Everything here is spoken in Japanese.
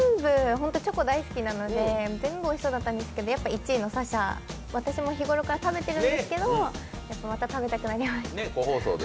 本当にチョコ大好きなので、全部おいしそうだったんですけどやっぱ１位の紗々、私も日頃から食べてるんですけれどもやっぱまた食べたくなりました。